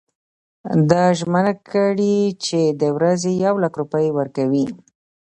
ده ژمنه کړې چې د ورځي یو لک روپۍ ورکوي.